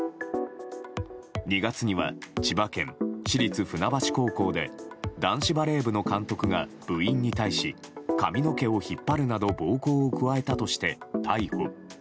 ２月には、千葉県市立船橋高校で男子バレー部の監督が部員に対し髪の毛を引っ張るなど暴行を加えたとして逮捕。